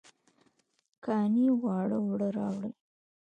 کاڼه واړه اوړه راوړل